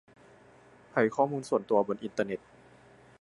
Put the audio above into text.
ภัยข้อมูลส่วนตัวบนอินเทอร์เน็ต